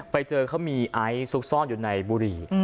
ไปเจอเขามีไอซ์ซุกซ่อนอยู่ในบุหรี่